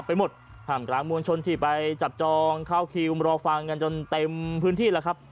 ไปหมดห้ามกลางมวลชนที่ไปจับจองเข้าคิวรอฟังกันจนเต็มพื้นที่แล้วครับ